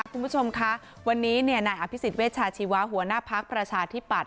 คุณผู้ชมคะวันนี้นายอภิษฎเวชาชีวะหัวหน้าพักประชาธิปัต